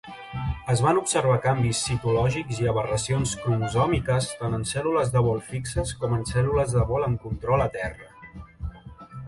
Es van observar canvis citològics i aberracions cromosòmiques tant en cèl·lules de vol fixes com en cèl·lules de vol amb control a terra.